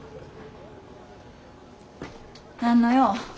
何の用？